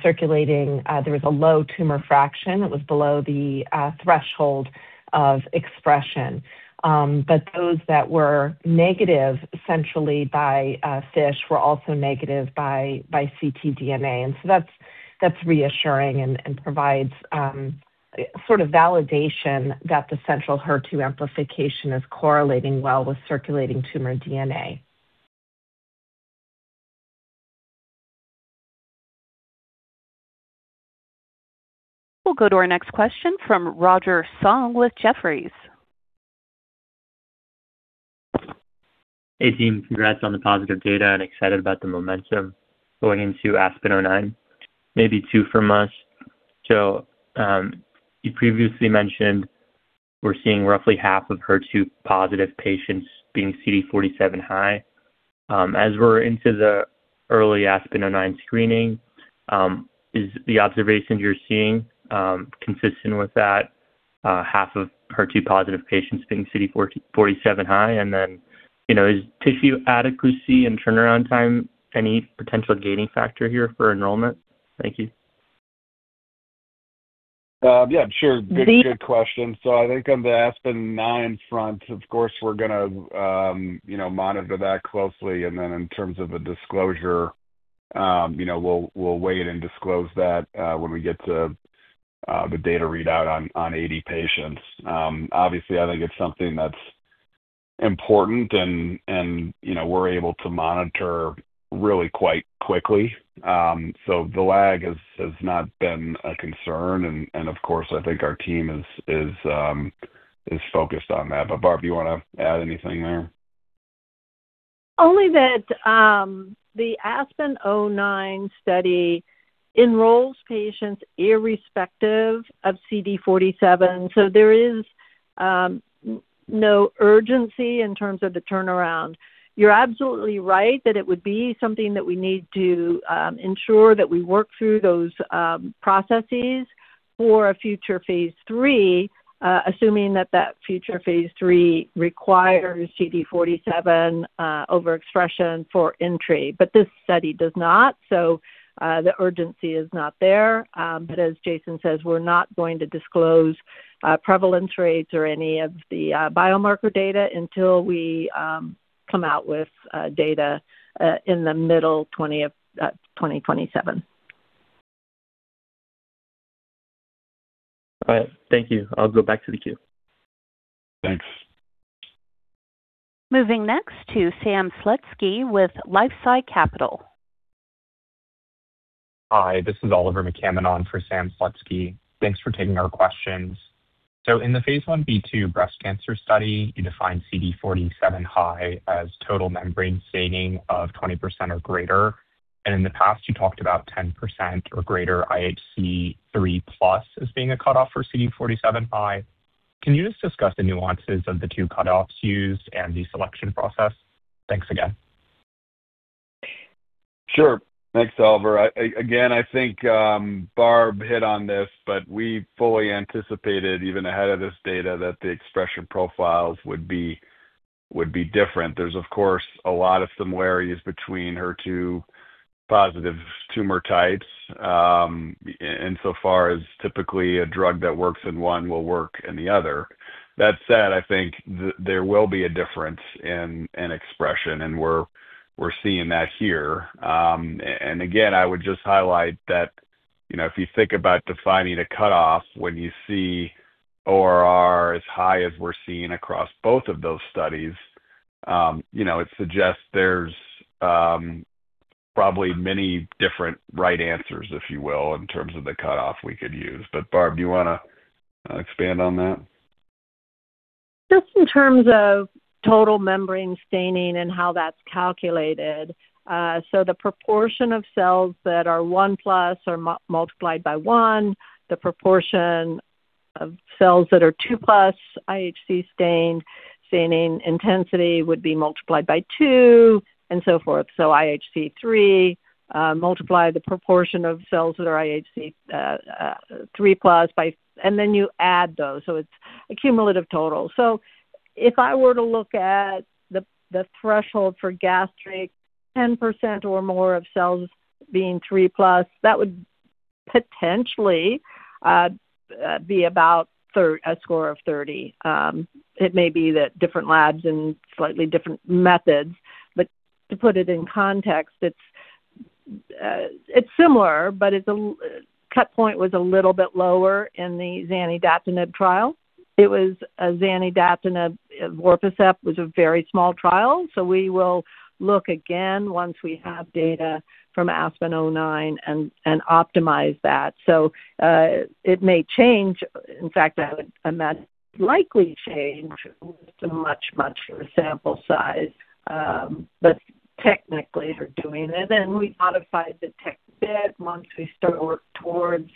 circulating. There was a low tumor fraction. It was below the threshold of expression. Those that were negative essentially by FISH were also negative by ctDNA. That's reassuring and provides sort of validation that the central HER2 amplification is correlating well with circulating tumor DNA. We'll go to our next question from Roger Song with Jefferies. Hey, team. Congrats on the positive data and excited about the momentum going into ASPEN-09. Maybe two from us. You previously mentioned we're seeing roughly half of HER2-positive patients being CD47-high. As we're into the early ASPEN-09 screening, is the observation you're seeing consistent with that half of HER2-positive patients being CD47-high? You know, is tissue adequacy and turnaround time any potential gaining factor here for enrollment? Thank you. Yeah, sure. Good question. I think on the ASPEN-09 front, of course, we're gonna, you know, monitor that closely. Then in terms of a disclosure- You know, we'll weigh it and disclose that when we get to the data readout on 80 patients. Obviously, I think it's something that's important and, you know, we're able to monitor really quite quickly. So the lag has not been a concern and, of course, I think our team is focused on that. Barb, do you wanna add anything there? Only that, the ASPEN-09 study enrolls patients irrespective of CD47, so there is no urgency in terms of the turnaround. You're absolutely right that it would be something that we need to ensure that we work through those processes for a future phase III, assuming that that future phase III requires CD47 overexpression for entry. This study does not, so the urgency is not there. As Jason says, we're not going to disclose prevalence rates or any of the biomarker data until we come out with data in the middle 20 of 2027. All right. Thank you. I'll go back to the queue. Thanks. Moving next to Sam Slutsky with LifeSci Capital. Hi, this is Oliver McCammon for Sam Slutsky. Thanks for taking our questions. In the phase I-B/II breast cancer study, you defined CD47 high as total membrane staining of 20% or greater, and in the past, you talked about 10% or greater IHC 3+ as being a cutoff for CD47 high. Can you just discuss the nuances of the two cutoffs used and the selection process? Thanks again. Sure. Thanks, Oliver. Again, I think Barb hit on this, but we fully anticipated even ahead of this data that the expression profiles would be different. There's of course a lot of similarities between HER2-positive tumor types, insofar as typically a drug that works in one will work in the other. That said, I think there will be a difference in expression, and we're seeing that here. Again, I would just highlight that, you know, if you think about defining a cutoff when you see ORR as high as we're seeing across both of those studies, you know, it suggests there's probably many different right answers, if you will, in terms of the cutoff we could use. Barb, do you wanna expand on that? Just in terms of total membrane staining and how that's calculated, so the proportion of cells that are one plus are multiplied by one, the proportion of cells that are two plus IHC stained, staining intensity would be multiplied by two and so forth. IHC three, multiply the proportion of cells that are IHC three plus by. You add those, so it's a cumulative total. If I were to look at the threshold for gastric, 10% or more of cells being three plus, that would potentially be about a score of 30. It may be that different labs and slightly different methods, but to put it in context, it's similar, but a cut point was a little bit lower in the zanidatamab trial. It was zanidatamab, evorpacept was a very small trial, so we will look again once we have data from ASPEN-09 and optimize that. It may change. In fact, I would imagine likely change with a much larger sample size, but technically are doing it. We modify the tech bit once we start to work towards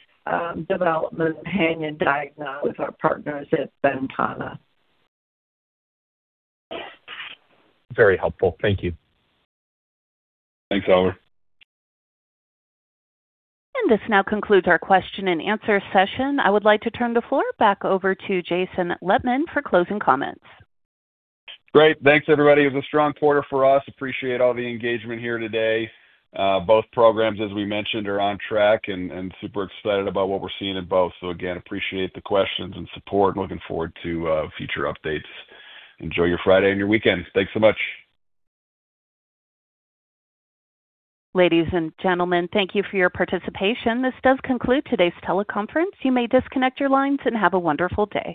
development and hanging diagnose our partners at Ventana. Very helpful. Thank you. Thanks, Oliver. This now concludes our question and answer session. I would like to turn the floor back over to Jason Lettmann for closing comments. Great. Thanks, everybody. It was a strong quarter for us. Appreciate all the engagement here today. Both programs, as we mentioned, are on track and super excited about what we're seeing in both. Again, appreciate the questions and support. Looking forward to future updates. Enjoy your Friday and your weekend. Thanks so much. Ladies and gentlemen, thank you for your participation. This does conclude today's teleconference. You may disconnect your lines and have a wonderful day.